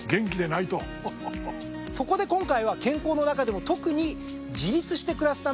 そこで今回は健康の中でも特に。